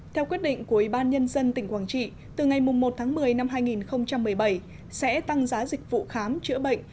theo quyết định của ủy ban nhân dân tỉnh quảng trị từ ngày một tháng một mươi năm hai nghìn một mươi bảy sẽ tăng giá dịch vụ khám chữa bệnh